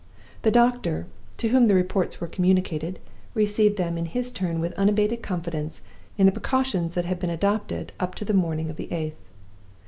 The doctor, to whom the reports were communicated, received them in his turn with unabated confidence in the precautions that had been adopted up to the morning of the 8th.